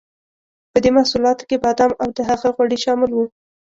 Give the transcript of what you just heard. په دې محصولاتو کې بادام او د هغه غوړي شامل وو.